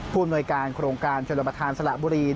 ผู้หน่วยการโครงการชนบริษฐานสระบุรี